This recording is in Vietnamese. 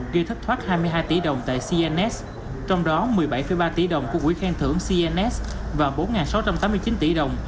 gây thất thoát hai mươi hai tỷ đồng tại cnns trong đó một mươi bảy ba tỷ đồng của quỹ khen thưởng cns và bốn sáu trăm tám mươi chín tỷ đồng